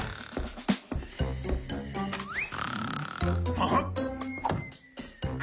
あっ！